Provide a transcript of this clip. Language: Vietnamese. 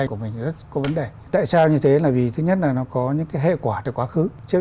của mình có vấn đề tại sao như thế là vì thứ nhất là nó có những cái hệ quả từ quá khứ trước